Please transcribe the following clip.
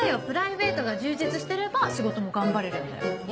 プライベートが充実してれば仕事も頑張れるんだよ。